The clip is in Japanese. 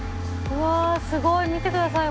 うわすごい！